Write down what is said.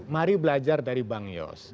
mari belajar dari bang yos